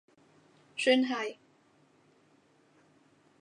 算係